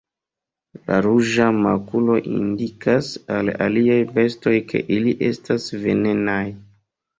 La ruĝa makulo indikas al aliaj bestoj ke ili estas venenaj.